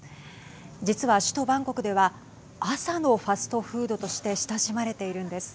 実は首都バンコクでは朝のファストフードとして親しまれているんです。